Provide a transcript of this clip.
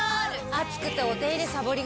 暑くてお手入れさぼりがち。